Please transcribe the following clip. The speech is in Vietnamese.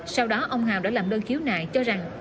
sau đó ông hào đã làm đơn khiếu nại cho rằng